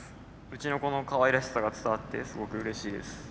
うちの子のかわいらしさが伝わってすごくうれしいです。